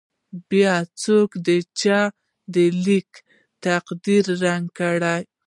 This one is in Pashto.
بیا څوک دی چې دا لیکلی تقدیر ړنګ کړي.